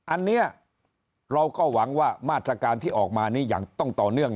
อันนี้เราก็หวังว่ามาตรการที่ออกมานี้อย่างต้องต่อเนื่อง